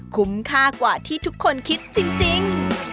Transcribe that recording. คุ้มค่ากว่าที่ทุกคนคิดจริง